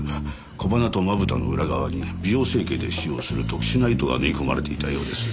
小鼻とまぶたの裏側に美容整形で使用する特殊な糸が縫い込まれていたようです。